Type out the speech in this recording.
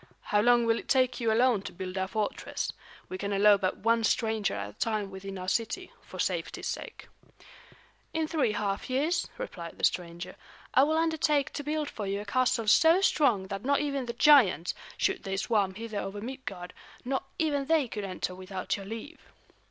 "How long will it take you alone to build our fortress? We can allow but one stranger at a time within our city, for safety's sake." "In three half years," replied the stranger, "I will undertake to build for you a castle so strong that not even the giants, should they swarm hither over Midgard, not even they could enter without your leave."